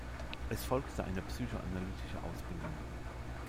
Es folgte eine Psychoanalytische Ausbildung.